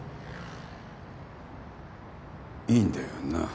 いいんだよな？